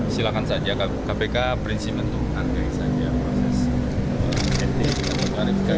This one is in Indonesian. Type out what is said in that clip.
silakan saja kpk prinsip untuk menganggai saja proses etik yang diperkarifkan